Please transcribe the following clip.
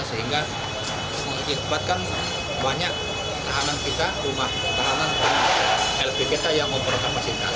sehingga mempercepatkan banyak tahanan kita rumah tahanan lpkt yang memperkapasitas